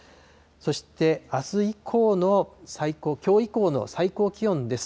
そしてあす以降の、きょう以降の最高気温です。